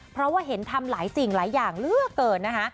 เพราะว่าเห็นทำหลายสิ่งหลายอย่างเหลือเกินนะคะ